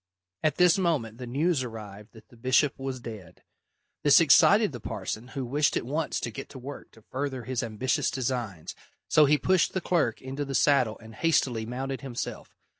At this moment the news arrived that the bishop was dead. This excited the parson, who wished at once to get to work to further his ambitious designs, so he pushed the clerk into the saddle and hastily mounted himself.